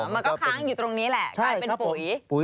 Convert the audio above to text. มันก็ค้างอยู่ตรงนี้แหละกลายเป็นปุ๋ย